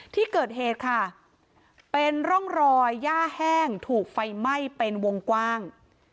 ที่เกิดเหตุค่ะเป็นร่องรอยย่าแห้งถูกไฟไหม้เป็นวงกว้าง